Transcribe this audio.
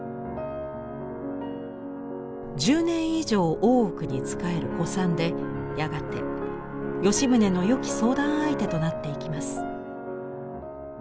１０年以上大奥に仕える古参でやがて吉宗のよき相談相手となっていきます。